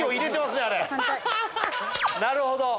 なるほど！